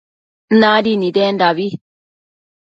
Nadi nidendabi